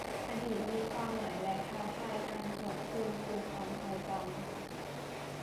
อดีตมีความหมายและท้าทายการหวนคืนสู่ความทรงจำ